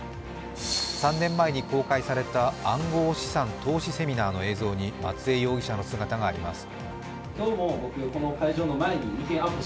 ３年前に公開された暗号資産投資セミナーの映像に松江容疑者の姿があります。